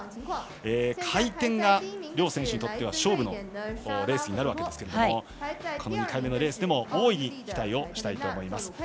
回転が両選手にとっては勝負のレースになるわけですが２回目のレースでも大いに期待したいと思います。